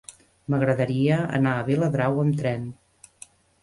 M'agradaria anar a Viladrau amb tren.